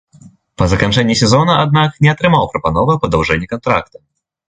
Па заканчэнні сезона, аднак, не атрымаў прапановы аб падаўжэнні кантракта.